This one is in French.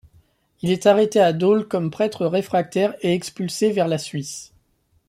Il est arrêté à Dôle comme prêtre réfractaire et expulsé vers la Suisse.